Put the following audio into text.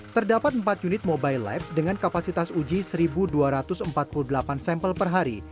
terdapat empat unit mobile lab dengan kapasitas uji satu dua ratus empat puluh delapan sampel per hari